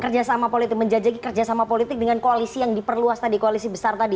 kerjasama politik menjajaki kerjasama politik dengan koalisi yang diperluas tadi koalisi besar tadi